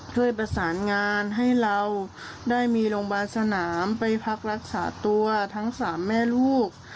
ช่วยประสานงานให้เราได้มีโรงพยาบาลสนามไปพักรักษาตัวทั้งสามแม่ลูก